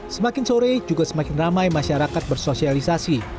semakin sore juga semakin ramai masyarakat bersosialisasi